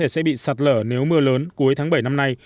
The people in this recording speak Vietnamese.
sẽ bị sạt lở nếu mưa lớn cuối tháng bảy năm nay